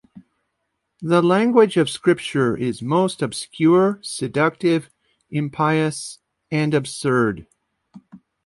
The language of scripture is most obscure, seductive, impious, and absurd.